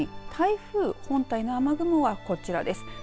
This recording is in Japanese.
台風本体の雨雲はこちらです。